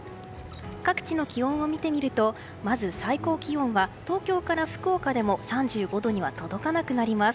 各地の気温を見てみるとまず最高気温は東京から福岡でも３５度には届かなくなります。